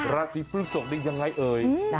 ราศีพฤกษกยังไงเอ่ย